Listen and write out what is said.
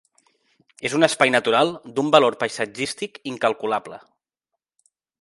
És un espai natural d'un valor paisatgístic incalculable.